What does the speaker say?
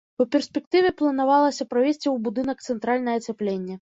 У перспектыве планавалася правесці ў будынак цэнтральнае ацяпленне.